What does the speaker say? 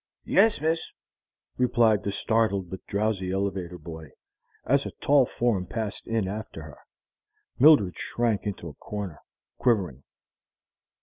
"Yes, miss," replied the startled but drowsy elevator boy as a tall form passed in after her. Mildred shrank into a corner, quivering.